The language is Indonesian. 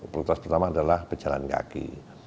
prioritas pertama adalah pejalan kaki